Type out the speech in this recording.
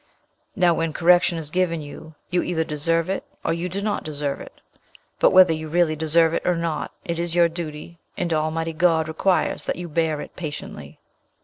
"Now, when correction is given you, you either deserve it, or you do not deserve it. But whether you really deserve it or not, it is your duty, and Almighty God requires that you bear it patiently.